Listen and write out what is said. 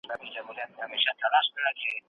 د ذمي خوندي ساتل د حکومت دنده ده.